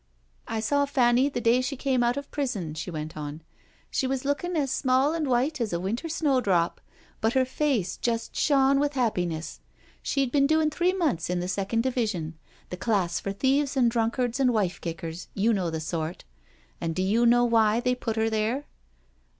" I saw Fanny the day she came out of prison," she went on. " She was looking as small and white as a winter snowdrop, but her face just shone with happi ness. She'd been doing three months in the second division, the class for thieves and drunkards and wife kickers — you know the sort. And do you know why they put her there?"